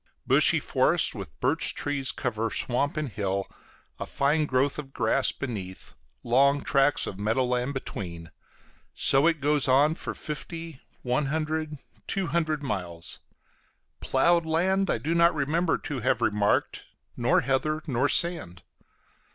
Bushy forests with birch trees cover swamp and hill, a fine growth of grass beneath, long tracts of meadow land between; so it goes on for fifty, one hundred, two hundred miles. Ploughed land I do not remember to have remarked, nor heather, nor sand.